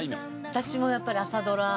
私もやっぱり朝ドラ。